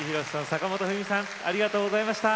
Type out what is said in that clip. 坂本冬美さんありがとうございました。